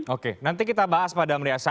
oke nanti kita bahas pada meriasa